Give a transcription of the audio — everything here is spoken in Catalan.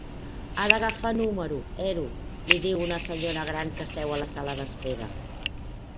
Ha d'agafar número ero —li diu una senyora gran que seu a la sala d'espera.